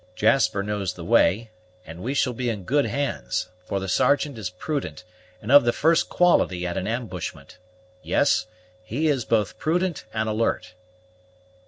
Jasper knows the way, and we shall be in good hands, for the Sergeant is prudent, and of the first quality at an ambushment; yes, he is both prudent and alert."